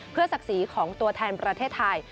เพื่อศักดิ์สีของตัวแทนประเทศไทย